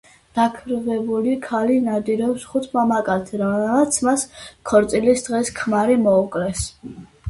დაქვრივებული ქალი ნადირობს ხუთ მამაკაცზე, რომლებმაც მას ქორწილის დღეს ქმარი მოუკლეს.